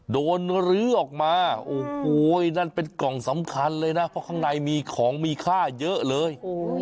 ลื้อออกมาโอ้โหนั่นเป็นกล่องสำคัญเลยนะเพราะข้างในมีของมีค่าเยอะเลย